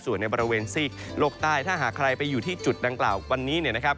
ส่วนในบริเวณซีกโลกใต้ถ้าหากใครไปอยู่ที่จุดดังกล่าววันนี้เนี่ยนะครับ